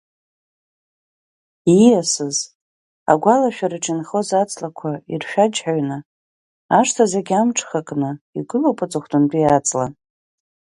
Ииасыз, агәалашәараҿ инхоз аҵлақәа иршәаџьҳәаҩны, ашҭа зегь амҽхакны игылоуп аҵыхәтәантәи аҵла.